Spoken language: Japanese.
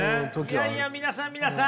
いやいや皆さん皆さん。